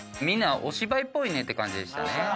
みんなお芝居っぽいねって感じでしたね。